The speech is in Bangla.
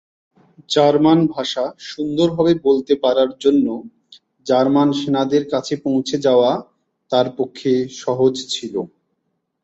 জার্মান ভাষা সুন্দরভাবে বলতে পারার জন্যে জার্মান সেনাদের কাছে পৌছে যাওয়া তার পক্ষে সহজ ছিল।